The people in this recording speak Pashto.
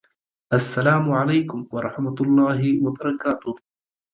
السلام علیکم ورحمة الله وبرکاته